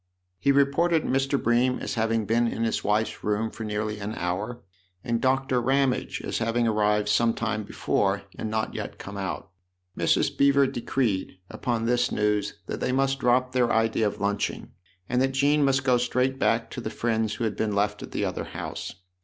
He re ported Mr. Bream as having been in his wife's room for nearly an hour, and Dr. Ramage as having arrived some time before and not yet come out. Mrs. Beever decreed, upon this news, that they must drop their idea of lunching and that Jean must go straight back to the friends who had been left at the other house.